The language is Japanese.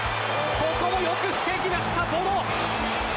ここはよく防ぎましたボノ。